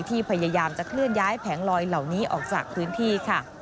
พยายามจะเคลื่อนย้ายแผงลอยเหล่านี้ออกจากพื้นที่ค่ะ